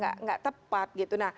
tidak tepat gitu